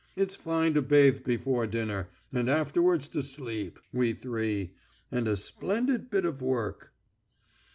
It's fine to bathe before dinner ... and afterwards to sleep, we three ... and a splendid bit of work...."